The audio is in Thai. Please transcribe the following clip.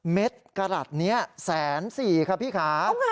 เม็ดกระหลัดนี้แสนสี่ค่ะพี่คะ